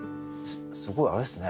すごいあれですね。